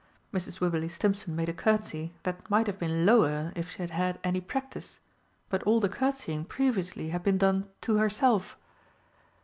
Mrs. Wibberley Stimpson made a curtsey that might have been lower if she had had any practice but all the curtseying previously had been done to herself.